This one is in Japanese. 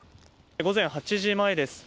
午前８時前です。